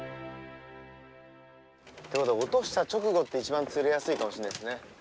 ってことは落とした直後って一番釣れやすいかもしんないですね。